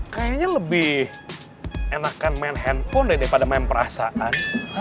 kayaknya lebih enakan main handphone daripada main perasaan